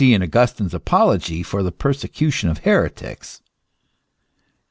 263 Augustine's apology for the persecution of heretics.